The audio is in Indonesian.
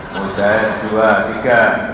mujair dua tiga